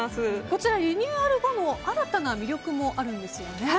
こちら、リニューアル後の新たな魅力もあるんですよね。